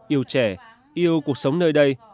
yêu trẻ yêu cuộc sống nơi đây